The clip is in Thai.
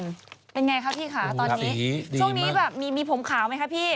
เป็นยังไงครับพี่ขาตอนนี้ช่วงนี้มีผมขาวไหมครับพี่